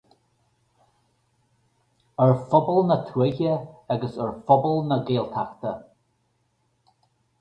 Ar phobal na tuaithe agus ar phobal na Gaeltachta.